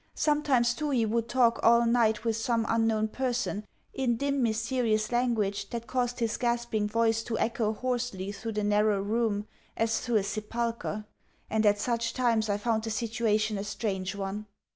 Sometimes, too, he would talk all night with some unknown person, in dim, mysterious language that caused his gasping voice to echo hoarsely through the narrow room as through a sepulchre; and at such times, I found the situation a strange one.